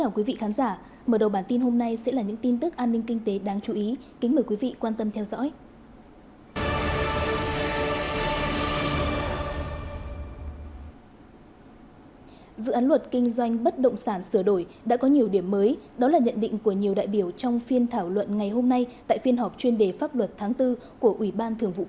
chào mừng quý vị đến với bộ phim hãy nhớ like share và đăng ký kênh của chúng mình nhé